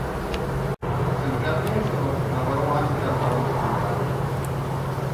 Sempre a Pesaro, lavorò anche al palazzo Ducale.